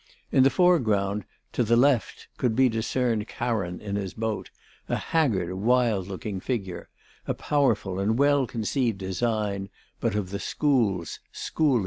In the foreground, to the left, could be discerned Charon in his boat, a haggard, wild looking figure, a powerful and well conceived design, but of the schools, schooly.